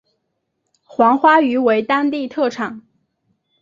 黄花鱼为当地特产。